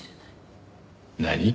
何？